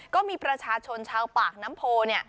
ก็มีประชาชนชาวปากน้ำโพ